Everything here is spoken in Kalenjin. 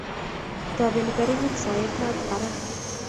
Tobeni Taritik soet barak